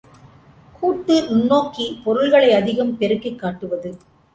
கூட்டு நுண்ணோக்கி பொருள்களை அதிகம் பெருக்கிக் காட்டுவது.